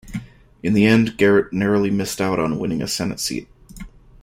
In the end Garrett narrowly missed out on winning a senate seat.